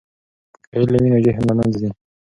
که علم وي نو جهل له منځه ځي.